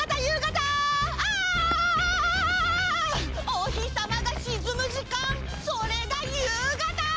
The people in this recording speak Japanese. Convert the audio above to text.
おひさまがしずむじかんそれがゆうがた！